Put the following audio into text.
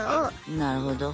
なるほど。